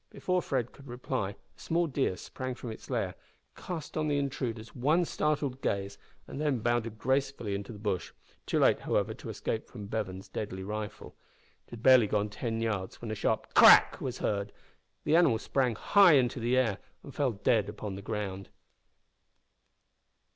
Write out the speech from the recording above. Before Fred could reply a small deer sprang from its lair, cast on the intruders one startled gaze, and then bounded gracefully into the bush, too late, however, to escape from Bevan's deadly rifle. It had barely gone ten yards when a sharp crack was heard; the animal sprang high into the air, and fell dead upon the ground.